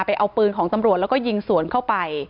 เอาปืนของตำรวจแล้วก็ยิงสวนเข้าไป